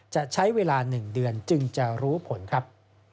จะใช้เวลา๑เดือนจึงจะรู้ผลครับ